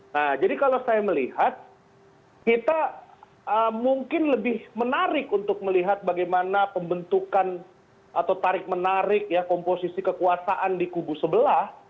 nah jadi kalau saya melihat kita mungkin lebih menarik untuk melihat bagaimana pembentukan atau tarik menarik ya komposisi kekuasaan di kubu sebelah